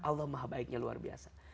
allah maha baiknya luar biasa